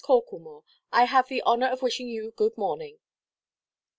Corklemore, I have the honour of wishing you good morning."